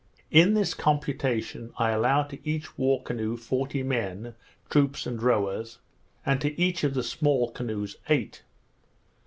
In this computation I allow to each war canoe forty men, troops and rowers, and to each of the small canoes eight.